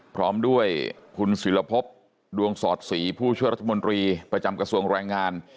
พร้อมด้วยคุณศิลภพดวงสอดศรีผู้ช่วยรัฐมนตรีประจำกระทรวงแรงงาน